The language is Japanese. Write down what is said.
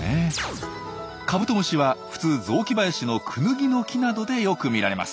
カブトムシは普通雑木林のクヌギの木などでよく見られます。